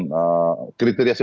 kriteria seperti apa yang dibutuhkan